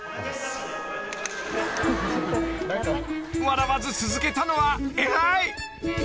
［笑わず続けたのは偉い］